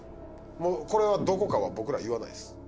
これはどこかは僕ら言わないです